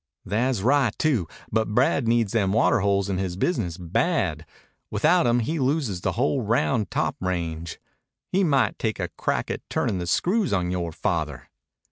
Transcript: "Tha's right too. But Brad needs them water holes in his business bad. Without 'em he loses the whole Round Top range. He might take a crack at turning the screws on yore father."